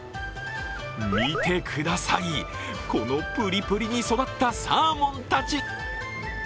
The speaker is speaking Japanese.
見てください、このプリプリに育ったサーモンたち。